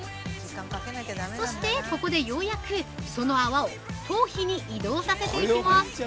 そして、ここでようやくその泡を、頭皮に移動させていきます！